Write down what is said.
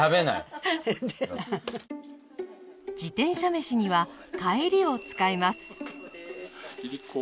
自転車めしにはかえりを使います。